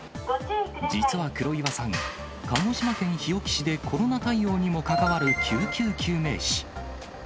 実は黒岩さん、鹿児島県日置市でコロナ対応にも関わる救急救命士。